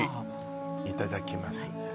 いただきます